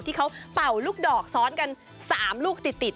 เป่าลูกดอกซ้อนกัน๓ลูกติด